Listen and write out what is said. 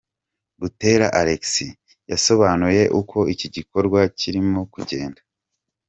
Butera Alex, yasobanuye uko iki gikorwa kirimo kugenda.